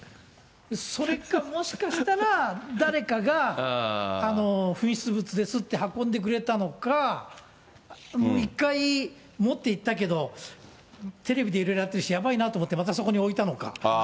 それか、もしかしたら、誰かが紛失物ですって運んでくれたのか、一回持っていったけど、テレビでいろいろやってるし、やばいなと思ってまたそこに置いたのか。